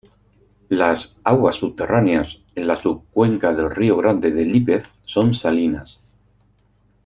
Las "aguas subterráneas" en la subcuenca del Río Grande de Lípez son salinas.